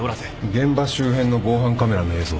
現場周辺の防犯カメラの映像は？